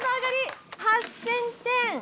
８０００点！